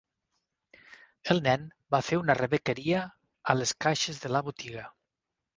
El nen va fer una rebequeria a les caixes de la botiga.